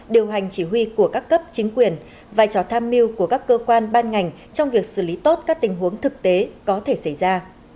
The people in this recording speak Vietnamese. điều hành chỉ huy của các cấp chính quyền vai trò tham mưu của các cơ quan ban ngành trong việc xử lý tốt các tình huống thực tế có thể xảy ra